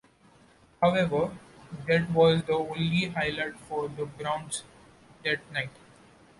However, that was the only highlight for the Browns that night.